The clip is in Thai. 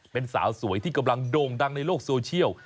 เป็นสาวสวยที่กำลังโด่งดังในโลกโซเชียล